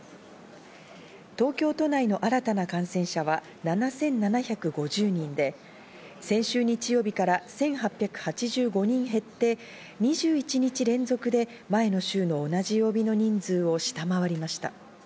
東京都内の新たな感染者は７７５０人で先週日曜日から１８８５人減って２１日連続で前の週の同じ曜日の人数を下回りました。